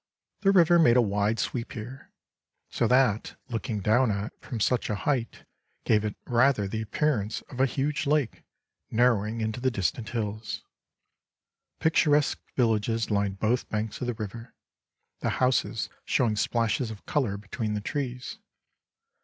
The river made a wide sweep here, so that, looking down on it from such a height gave it rather the appearance of a huge lake narrowing into the distant hills. Picturesque villages lined both banks of the river, the houses showing splashes of colour between the trees.